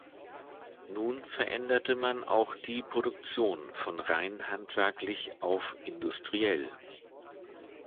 Nun veränderte man auch die Produktion von rein handwerklich auf industriell.